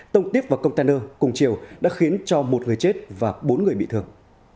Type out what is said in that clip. tông tiếp vào container cùng chiều đã khiến cho một người chết và bốn người bị thương